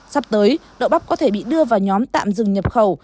sắp tới đậu bắp có thể bị đưa vào nhóm tạm dừng nhập khẩu